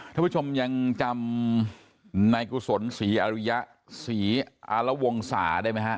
ท่านผู้ชมยังจำนายกุศลศรีอริยะศรีอารวงศาได้ไหมฮะ